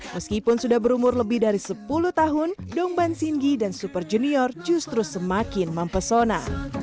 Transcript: meskipun sudah berumur lebih dari sepuluh tahun dongban singgi dan super junior justru semakin mempesona